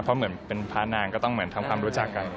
เพราะเหมือนเป็นพระนางก็ต้องเหมือนทำความรู้จักกัน